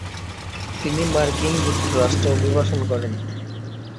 তিনি মার্কিন যুক্তরাষ্ট্রে অভিবাসন করেন।